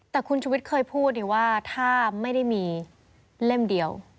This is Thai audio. แต่คุณชุวิตเคยพูดดีว่าถ้าไม่ได้มีเล่มเดียว